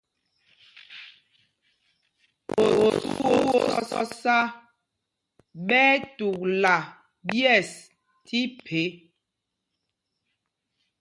Osû ó sɔ̄sā ɓɛ́ ɛ́ tukla ɓyɛ̂ɛs tí phe.